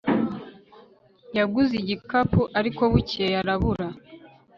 yaguze igikapu, ariko bukeye arabura